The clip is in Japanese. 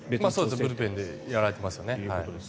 ブルペンでやられていますね。